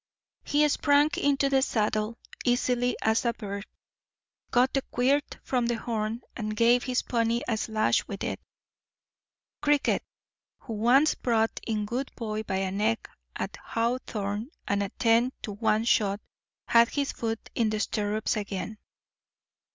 He sprang into the saddle easily as a bird, got the quirt from the horn, and gave his pony a slash with it. "Cricket," who once brought in Good Boy by a neck at Hawthorne—and a 10 to 1 shot—had his foot in the stirrups again.